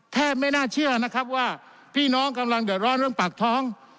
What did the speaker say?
ไม่น่าเชื่อนะครับว่าพี่น้องกำลังเดือดร้อนเรื่องปากท้อง